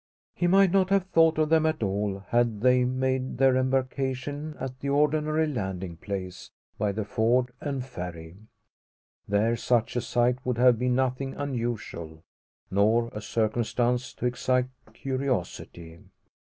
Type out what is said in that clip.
He might not have thought of them at all, had they made their embarkation at the ordinary landing place, by the ford and ferry. There such a sight would have been nothing unusual, nor a circumstance to excite curiosity.